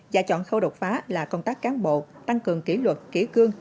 và chọn khâu đột phá là công tác cán bộ tăng cường kỷ luật kỷ cương